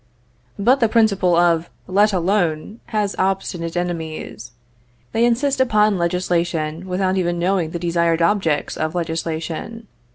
But the principle of "let alone" has obstinate enemies. They insist upon legislation without even knowing the desired objects of legislation.